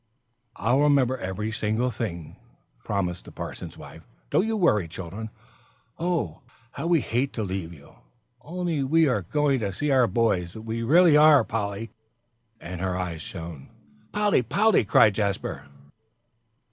"I'll remember every single thing," promised the parson's wife. "Don't you worry, children. Oh, how we hate to leave you, only we are going to see our boys. We really are, Polly!" And her eyes shone. "Polly! Polly!" called Jasper.